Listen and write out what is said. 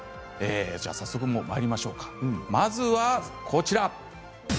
早速、まいりましょうかまずはこちら。